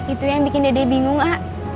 itu yang bikin dede bingung pak